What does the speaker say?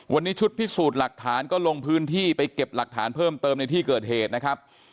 วันนี้ชุดพิสูจน์หลักฐานก็ลงพื้นที่ไปเก็บหลักฐานเพิ่มเติมในที่เกิดเหตุนะครับ